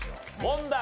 問題。